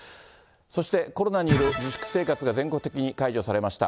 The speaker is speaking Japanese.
そして、コロナによる自粛生活が全国的に解除されました。